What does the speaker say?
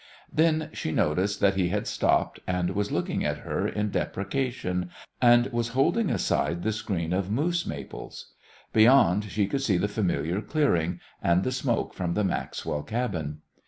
Then she noticed that he had stopped, and was looking at her in deprecation, and was holding aside the screen of moose maples. Beyond she could see the familiar clearing, and the smoke from the Maxwell cabin.